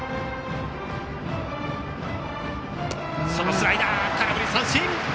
スライダー、空振り三振！